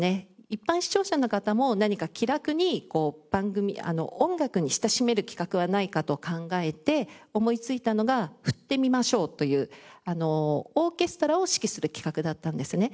一般視聴者の方も何か気楽に音楽に親しめる企画はないかと考えて思いついたのが「振ってみまＳＨＯＷ！」というオーケストラを指揮する企画だったんですね。